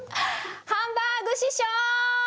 ハンバーグ師匠！